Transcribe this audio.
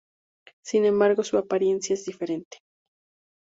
Sin embargo, su apariencia es diferente.